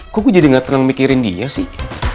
kok gue jadi gak pernah mikirin dia sih